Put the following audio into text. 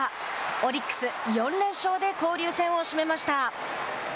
オリックス４連勝で交流戦を締めました。